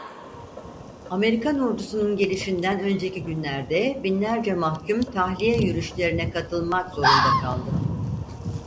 Amerikan ordusunun gelişinden önceki günlerde binlerce mahkum tahliye yürüyüşlerine katılmak zorunda kaldı.